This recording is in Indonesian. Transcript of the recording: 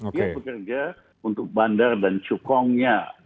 dia bekerja untuk bandar dan cukongnya